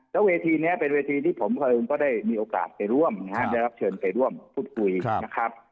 และเป็นเวทีนี้ว่าผมก็ได้มีโอกาสไปร่วมได้รับเชิญไปร่วมพูดพูดนะครับ